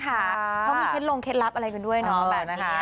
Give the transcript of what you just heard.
เพราะมันเคล็ดลงเคล็ดลับอะไรกันด้วยเนอะ